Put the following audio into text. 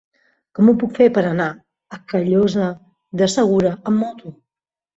Com ho puc fer per anar a Callosa de Segura amb moto?